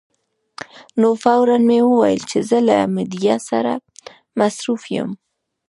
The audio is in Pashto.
نو فوراً مې وویل چې زه له میډیا سره مصروف یم.